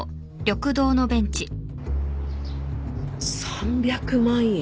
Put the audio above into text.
３００万円？